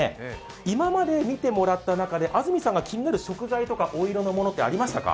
今まで見てもらった中で安住さんが気になる食材とかお色のものってありましたか？